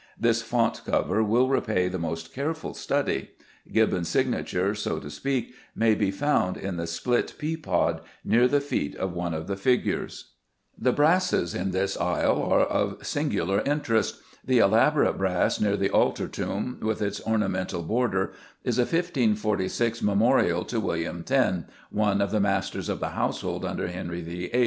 This font cover will repay the most careful study. Gibbons' signature, so to speak, may be found in the "split pea pod" near the feet of one of the figures. The brasses in this aisle are of singular interest. The elaborate brass near the altar tomb, with its ornamental border, is a 1546 memorial to William Thynne, one of the Masters of the Household under Henry VIII.